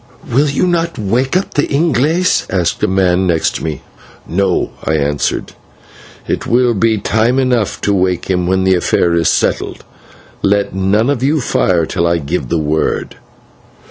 "Will you not wake up the /Inglese/?" asked the man next to me. "No," I answered, "it will be time enough to wake him when the affair is settled. Let none of you fire till I give the word."